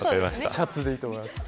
シャツでいいと思います。